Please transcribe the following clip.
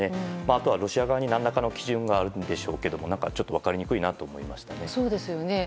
あとはロシア側に何らかの基準があるんでしょうけど分かりにくいなと思いましたね。